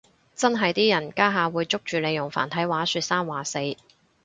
真係啲人家下會捉住你用繁體話說三話四